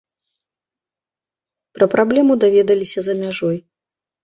Пра праблему даведаліся за мяжой.